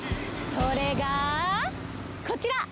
それが、こちら。